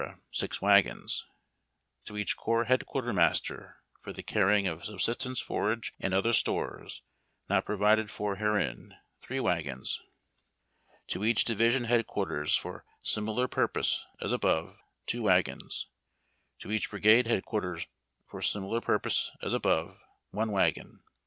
6 wagons. To each Corps Head Quarters for the carrying of subsistence, forage and other stores not provided for herein, 3 wagons. To each Division Head Quarters for similar purpose as above, 2 wagons. To each Brigade Head Quarters for similar purpose as above, 1 wagon.